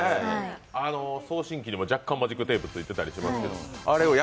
送信機にも若干、マジックテープついてたりしますけど。